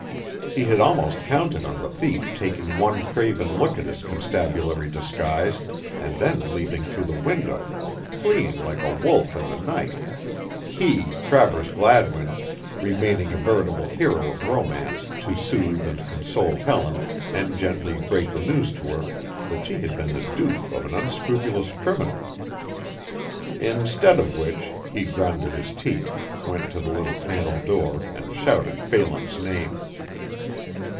He had almost counted on the thief taking one craven look at his constabulary disguise and then leaping through the window fleeing like a wolf in the night he, Travers Gladwin, remaining a veritable hero of romance to sooth and console Helen and gently break the news to her that she had been the dupe of an unscrupulous criminal. Instead of which he ground his teeth, went to the little panel door and shouted Phelan's name.